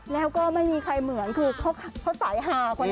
แล้วก็ไม่มีใครเหมือนคือเขาสายหาคนนี้